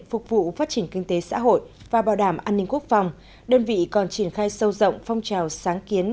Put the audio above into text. phục vụ phát triển kinh tế xã hội và bảo đảm an ninh quốc phòng đơn vị còn triển khai sâu rộng phong trào sáng kiến